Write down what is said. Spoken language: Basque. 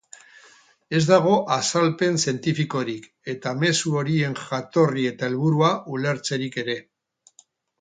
Ez dago azalpen zientifikorik, ezta mezu horien jatorri eta helburua ulertzerik ere.